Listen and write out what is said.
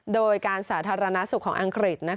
โดยการสาธารณสุขของอังกฤษ